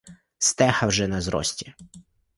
Стеха вже на зрості!